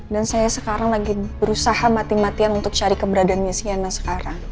dan saya sekarang lagi berusaha mati matian untuk cari keberadaannya shaina sekarang